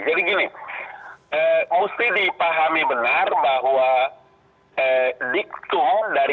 jadi gini mesti dipahami benar bahwa diktum dari